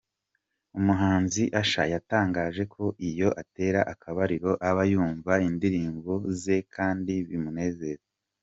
Umuhanzi Usher, yatangaje ko iyo atera akabariro aba yumva indirimbo ze kandi bimunezeza.